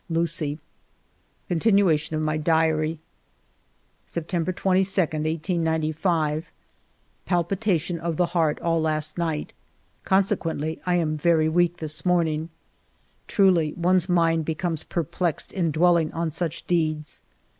Lucie." Continuation of my Diary September 22, 1895. Palpitation of the heart all last night. Con sequently I am very weak this morning. ... Truly one's mind becomes perplexed in dwell ing on such deeds.